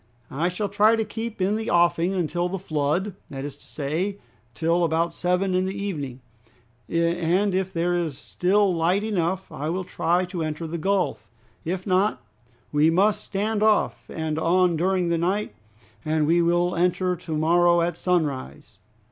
"I shall try to keep in the offing until the flood, that is to say, till about seven in the evening, and if there is still light enough I will try to enter the gulf; if not, we must stand off and on during the night, and we will enter to morrow at sunrise."